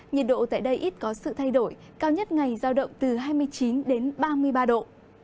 nhiệt độ có sự thay đổi cao nhất ngày giao động từ hai mươi chín đến ba mươi ba độ